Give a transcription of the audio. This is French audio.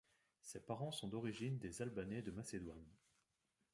Ses parents sont d'origines des Albanais de Macédoine.